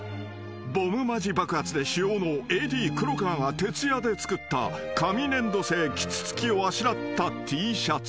［ボムマジ爆発で使用のＡＤ黒川が徹夜で作った紙粘土製キツツキをあしらったＴシャツ］